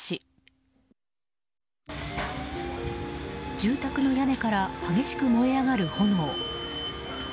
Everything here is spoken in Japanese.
住宅の屋根から激しく燃え上がる炎。